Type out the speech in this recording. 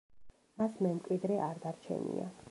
მას მემკვიდრე არ დარჩენია.